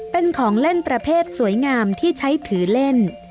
เป็นของเล่นประเภทสวยงามที่ใช้ถือเล่น